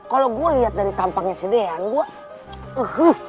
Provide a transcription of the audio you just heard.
kalau gue liat dari tampangnya si deyan gue